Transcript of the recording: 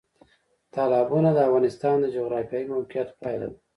تالابونه د افغانستان د جغرافیایي موقیعت پایله ده.